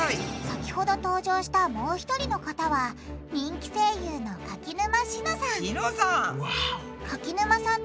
先ほど登場したもう一人の方は人気声優の柿沼紫乃さん紫乃さん！